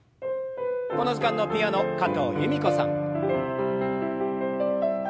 この時間のピアノ加藤由美子さん。